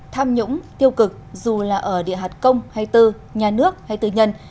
tham nhũng tiêu cực dù là ở địa hạt công hay tư nhà nước hay tư nhân